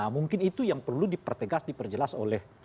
nah mungkin itu yang perlu dipertegas diperjelas oleh v i